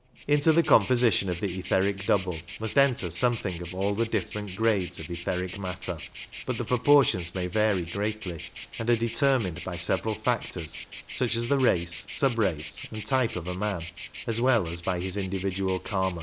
Into the composition of the etheric double must enter something of all the different grades of etheric matter ; but the proportions may vary greatly, and are determined by several factors, such as the race, sub race, and type of a man, as well as by his individual Karma.